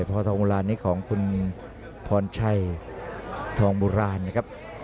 แต่พอทองบุราณนี้ของคุณพรชัยทองบุราณครับ